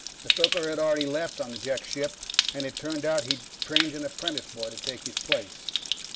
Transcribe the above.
The stoker had already left on the Jek ship, and it turned out he'd trained an apprentice boy to take his place.